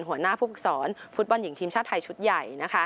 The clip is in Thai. หัวหน้าผู้ฝึกสอนฟุตบอลหญิงทีมชาติไทยชุดใหญ่